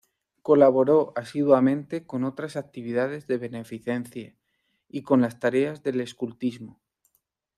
Colaboró asiduamente con otras actividades de beneficencia y con las tareas del escultismo.